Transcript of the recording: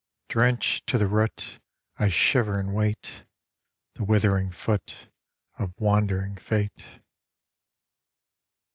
Drenched to the root I shiver and wait The withering foot Of wandering Fate.